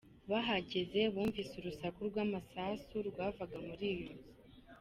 Bahageze bumvise urusaku rwamasasu rwavaga muri iyo nzu.